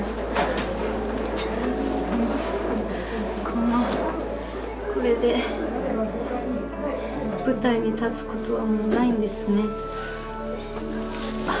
このこれで舞台に立つことはもうないんですね。